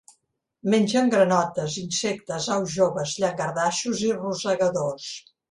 Mengen granotes, insectes, aus joves, llangardaixos i rosegadors.